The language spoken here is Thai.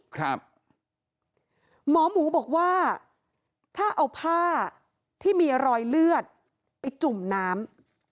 หมอหมูบอกว่าถ้าเอาผ้าที่มีรอยเลือดไปจุ่มน้ำ